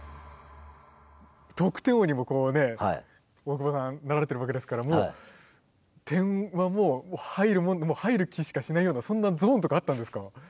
得点王にもこうね大久保さんなられているわけですから点はもう入る気しかしないようなそんなゾーンとかあったんですか？